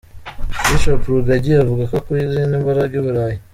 Bishop Rugagi avuga ko akuye izindi mbaraga i burayi .